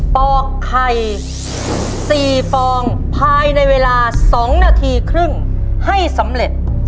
ปอกไข่๔ฟองภายในเวลา๒นาทีครึ่งให้สำเร็จ